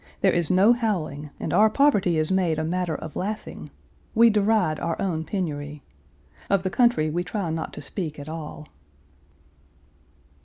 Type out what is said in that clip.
There is no howling, and our poverty is made a matter of laughing. We deride our own penury. Of the country we try not to speak at all.